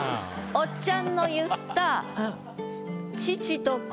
おっちゃんの言ったええ！